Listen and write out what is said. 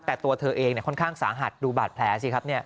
แต่ตัวเธอเองค่อนข้างสาหัสดูบาดแผลสิครับ